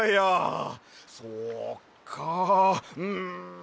そっかうん。